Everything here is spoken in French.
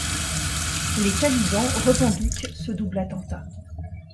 Les talibans revendiquent ce double attentat.